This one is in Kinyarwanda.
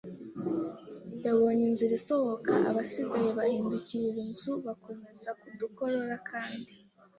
yabonye inzira isohoka, abasigaye bahindukirira inzu bakomeza kudukorora kandi.